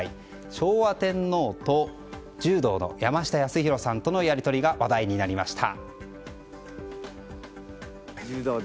昭和天皇と柔道の山下泰裕さんとのやり取りが話題になりました。